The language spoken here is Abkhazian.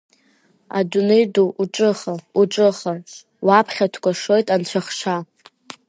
Адунеи ду уҿыха, уҿыха, уаԥхьа дкәашоит анцәахша!